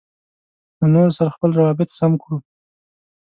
له نورو سره خپل روابط سم کړو.